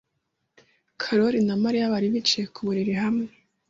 Karoli na Mariya bari bicaye ku buriri hamwe.